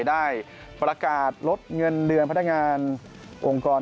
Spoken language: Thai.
ได้ประกาศลดเงินเดือนพนักงานองค์กร